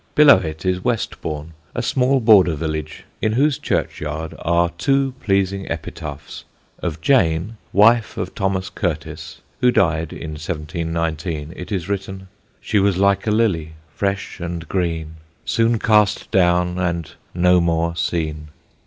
Below, it is Westbourne, a small border village in whose churchyard are two pleasing epitaphs. Of Jane, wife of Thomas Curtis, who died in 1719, it is written: She was like a lily fresh and green, Soon cast down and no more seen.